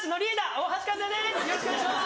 ・お願いします！